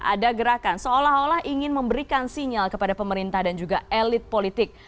ada gerakan seolah olah ingin memberikan sinyal kepada pemerintah dan juga elit politik